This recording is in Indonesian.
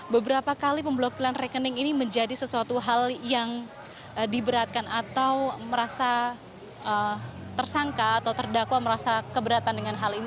beberapa kali pemblokiran rekening ini menjadi sesuatu hal yang diberatkan atau merasa tersangka atau terdakwa merasa keberatan dengan hal ini